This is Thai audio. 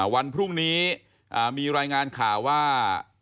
วันพรุ่งนี้มีรายงานข่าวว่า